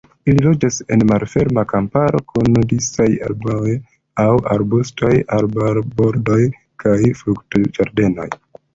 Ili loĝas en malferma kamparo kun disaj arboj aŭ arbustoj, arbarbordoj kaj fruktoĝardenoj.